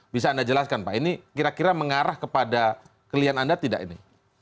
bisa anda jelaskan pak ini kira kira mengarah kepada klien anda tidak ini